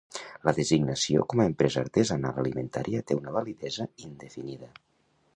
La designació com a empresa artesanal alimentària té una validesa indefinida.